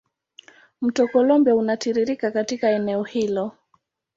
Mto Columbia unatiririka katika eneo hilo.